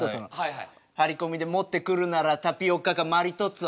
張り込みで持ってくるならタピオカかマリトッツォ。